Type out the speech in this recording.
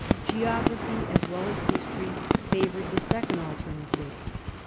Geography, as well as history, favored the second alternative.